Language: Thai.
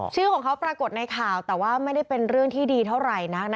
ชื่อของเขาปรากฏในข่าวแต่ว่าไม่ได้เป็นเรื่องที่ดีเท่าไหร่นัก